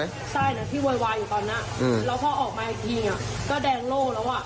ใช่นะที่โวยวายอยู่ตอนนี้แล้วพอออกมาอีกทีอ่ะก็แดงโล่แล้วอ่ะ